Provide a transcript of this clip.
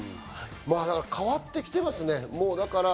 変わってきてますね。